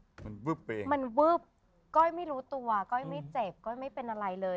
มันวึบไปเองมันวึบก้อยไม่รู้ตัวก้อยไม่เจ็บก้อยไม่เป็นอะไรเลย